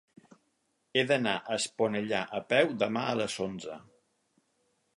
He d'anar a Esponellà a peu demà a les onze.